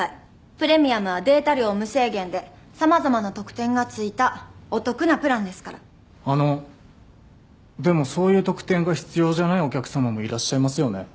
プレミアムはデータ量無制限でさまざまな特典が付いたお得なプランですからあのでもそういう特典が必要じゃないお客さまもいらっしゃいますよね？